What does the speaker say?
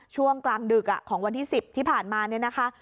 ช่วงกลางดึกของวันที่๑๐ที่ผ่านมาเนี่ยนะคะ